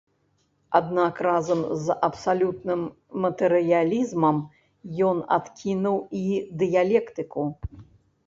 Аднак разам з абсалютным матэрыялізмам ён адкінуў і дыялектыку.